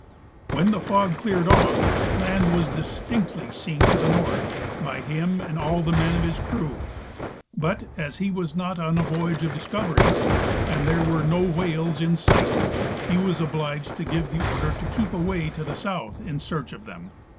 When the fog cleared off', land was distinctly seen to the north by him and all the men of his crew ; but, as he was not on a voyage of discovery and there were no whales in sight, he was obliged to give the order to keep away to the south in search of them.